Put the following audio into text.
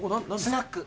スナック。